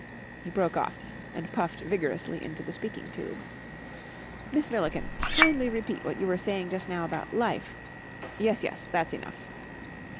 He broke off and puffed vigorously into the speaking tube. "Miss Milliken, kindly repeat what you were saying just now about life.... Yes, yes, that's enough!"